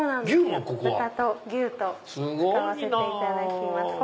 豚と牛と使わせていただきます。